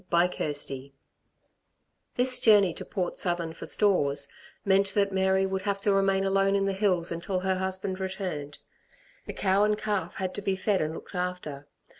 CHAPTER III This journey to Port Southern for stores meant that Mary would have to remain alone in the hills until her husband returned. The cow and calf had to be fed and looked after.